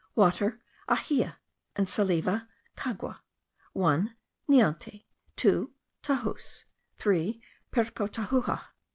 Water, Ahia (in Salive, cagua). One, Nianti. Two, Tajus. Three, Percotahuja.